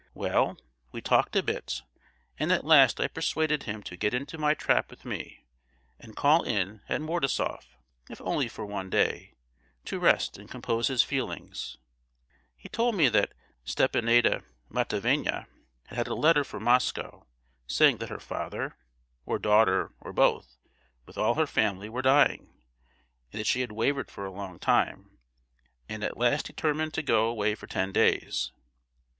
"Well, we talked a bit, and at last I persuaded him to get into my trap with me, and call in at Mordasoff, if only for one day, to rest and compose his feelings. He told me that Stepanida Matveyevna had had a letter from Moscow, saying that her father, or daughter, or both, with all her family, were dying; and that she had wavered for a long time, and at last determined to go away for ten days.